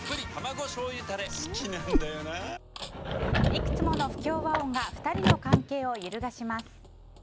いくつもの不協和音が２人の関係を揺るがします。